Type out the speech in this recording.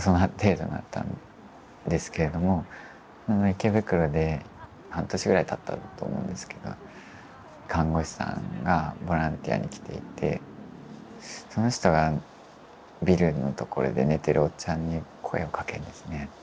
池袋で半年ぐらいたったと思うんですけど看護師さんがボランティアに来ていてその人がビルの所で寝てるおっちゃんに声をかけるんですね。